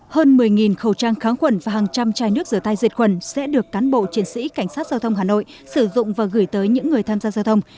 hơn một mươi khẩu trang kháng khuẩn và hàng trăm chai nước rửa tay diệt khuẩn sẽ được cán bộ chiến sĩ cảnh sát giao thông hà nội sử dụng và gửi tới những người tham gia giao thông